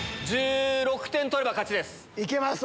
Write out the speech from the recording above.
１６点取れば勝ちです。